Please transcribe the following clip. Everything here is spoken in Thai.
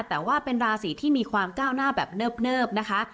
แต่ว่าเป็นราศีที่มีความก้าวหน้าแบบเนิบนะคะ